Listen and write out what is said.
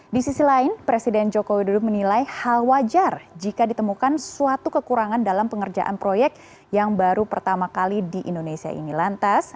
di sisi lain presiden joko widodo menilai hal wajar jika ditemukan suatu kekurangan dalam pengerjaan proyek yang baru pertama kali di indonesia ini lantas